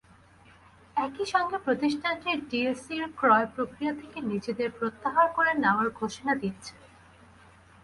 একই সঙ্গে প্রতিষ্ঠানটি ডিএসইর ক্রয় প্রক্রিয়া থেকে নিজেদের প্রত্যাহার করে নেওয়ার ঘোষণা দিয়েছে।